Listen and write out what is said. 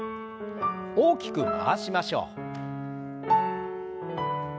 大きく回しましょう。